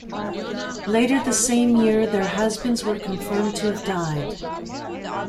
Later the same year their husbands were confirmed to have died.